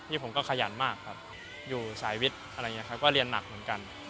นี่ผมก็ขยันมากครับอยู่สายวิทย์อะไรอย่างนี้ครับก็เรียนหนักเหมือนกัน